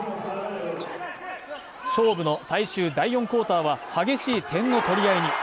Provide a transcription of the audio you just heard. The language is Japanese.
勝負の最終第４クオーターは激しい点の取り合いに。